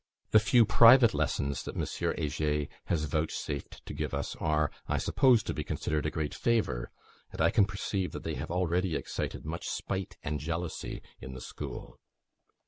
The few private lessons that M. Heger has vouchsafed to give us, are, I suppose, to be considered a great favour; and I can perceive they have already excited much spite and jealousy in the school.